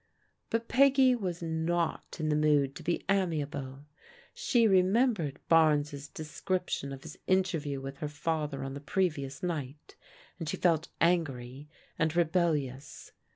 But Peggy was not in the mood to be amiable. She remembered Barnes* description of his interview with her father on the previous night, and she felt angry and rebellious.